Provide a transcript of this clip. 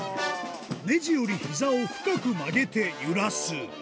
ネジよりひざを深く曲げて揺らす。